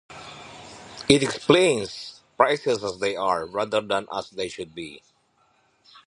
It explains prices as they are, rather than as they "should" be.